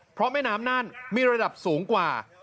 เพราะแม่น้ำนั่นมีระดับสูงกว่า